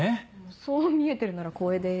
そう見えてるなら光栄です。